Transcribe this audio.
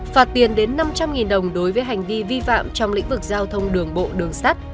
phạt tiền đến năm trăm linh đồng đối với hành vi vi phạm trong lĩnh vực giao thông đường bộ đường sắt